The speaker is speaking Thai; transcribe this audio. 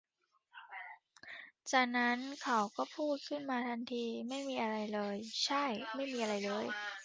จากนั้น เขาก็พูด ขึ้นมาทันที ไม่มีอะไรเลย ใช่ ! ! ไม่มีอะไรเลย